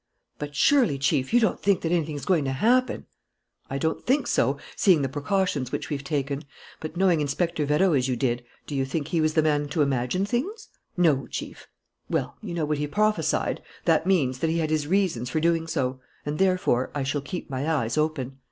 "But surely, Chief, you don't think that anything's going to happen!" "I don't think so, seeing the precautions which we've taken. But, knowing Inspector Vérot as you did, do you think he was the man to imagine things?" "No, Chief." "Well, you know what he prophesied. That means that he had his reasons for doing so. And therefore I shall keep my eyes open."